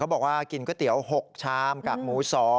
บอกว่ากินก๋วยเตี๋ยว๖ชามกากหมู๒